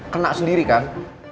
kena sendiri kan